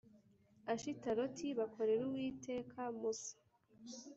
Ashitaroti bakorera Uwiteka musa